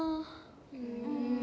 うん。